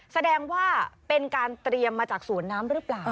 แสดงว่าเป็นการเตรียมมาจากสวนน้ำหรือเปล่า